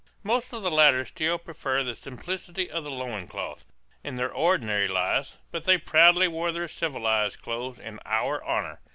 Most of the latter still prefer the simplicity of the loin cloth, in their ordinary lives, but they proudly wore their civilized clothes in our honor.